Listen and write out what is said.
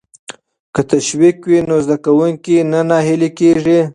که تشویق وي نو زده کوونکی نه ناهیلی کیږي.